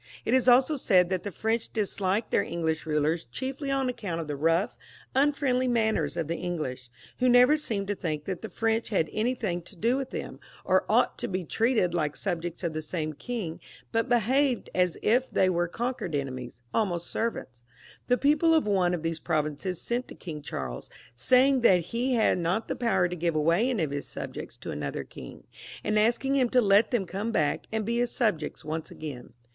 It is also said that the French disliked their English rulers chiefly on account of the rough, unfriendly maimers of the English, who never seemed to think the French had anything to do with them, or ought to be treated like subjects of the same king, but behaved as if they were conquered enemies, almost servants. The people of one of these provinces sent to King Charles, saying that he had not the power to give away any of his subjects to another king, and asking him to let them come back and be his subjects once again.